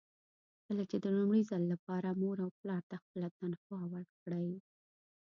کله چې د لومړي ځل لپاره مور او پلار ته خپله تنخوا ورکړئ.